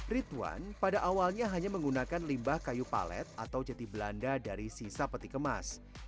ridwan pada awalnya hanya menggunakan limbah kayu palet atau jati belanda dari sisa peti kemas